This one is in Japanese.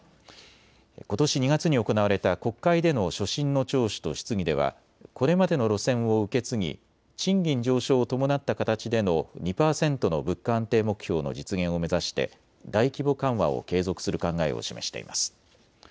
ことし２月に行われた国会での所信の聴取と質疑ではこれまでの路線を受け継ぎ賃金上昇を伴った形での２％の物価安定目標の実現を目指して大規模緩和を継続する考えを示しています。